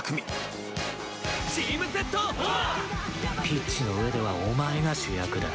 ピッチの上ではお前が主役だ。